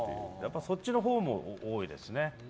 そっちのほうも多いですね。